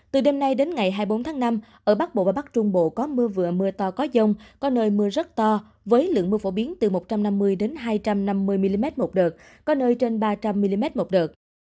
từ đêm nay đến ngày hai mươi bốn tháng năm ở bắc bộ và bắc trung bộ có mưa vừa mưa to có dông có nơi mưa rất to với lượng mưa phổ biến từ một trăm năm mươi hai trăm năm mươi mm một đợt có nơi trên ba trăm linh mm một đợt